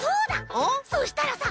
そしたらさ